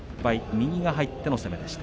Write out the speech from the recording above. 右が入っての攻めでした。